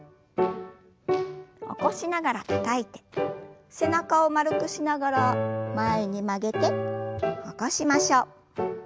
起こしながらたたいて背中を丸くしながら前に曲げて起こしましょう。